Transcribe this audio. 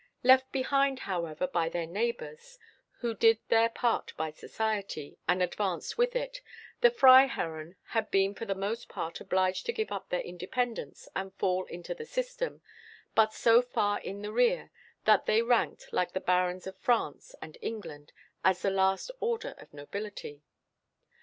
Left behind, however, by their neighbours, who did their part by society, and advanced with it, the Freiherren had been for the most part obliged to give up their independence and fall into the system, but so far in the rear, that they ranked, like the barons of France and England, as the last order of nobility.